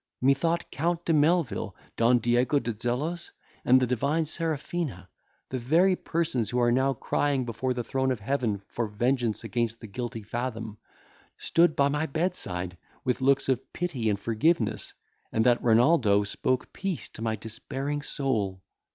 Methought Count de Melvil, Don Diego de Zelos, and the divine Serafina, the very persons who are now crying before the throne of Heaven for vengeance against the guilty Fathom, stood by my bedside, with looks of pity and forgiveness; and that Renaldo spoke peace to my despairing soul.